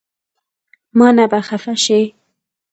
مانه به خفه شې